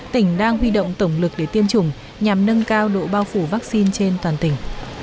tỉnh đang huy động tổng lực để tiêm chủng nhằm nâng cao độ bao phủ vaccine trên toàn tỉnh